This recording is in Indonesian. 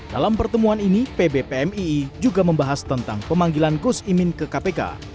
dalam pertemuan ini pb pmii juga membahas tentang pemanggilan gus imin ke kpk